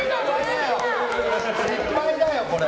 失敗だよ、これ。